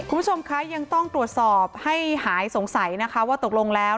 คุณผู้ชมคะยังต้องตรวจสอบให้หายสงสัยนะคะว่าตกลงแล้ว